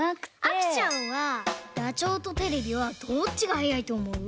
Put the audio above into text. あきちゃんはダチョウとテレビはどっちがはやいとおもう？